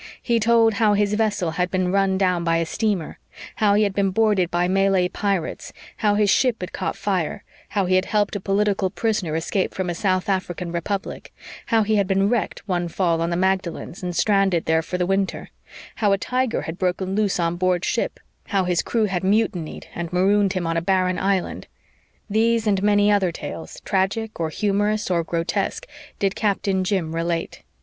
He told how his vessel had been run down by a steamer; how he had been boarded by Malay pirates; how his ship had caught fire; how he helped a political prisoner escape from a South African republic; how he had been wrecked one fall on the Magdalens and stranded there for the winter; how a tiger had broken loose on board ship; how his crew had mutinied and marooned him on a barren island these and many other tales, tragic or humorous or grotesque, did Captain Jim relate.